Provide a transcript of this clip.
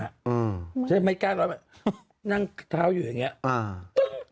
เพราะฉะนั้นไมส์กาอดด์ร้อนแบบนี้นั่งเท้าอยู่อย่างนี้